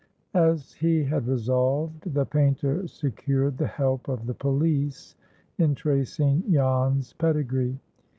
AS he had resolved, the painter secured the help of the police in tracing Jan's pedigree.